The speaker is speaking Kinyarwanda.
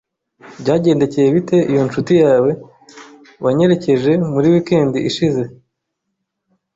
Byagendekeye bite iyo ncuti yawe wanyerekeje muri weekend ishize?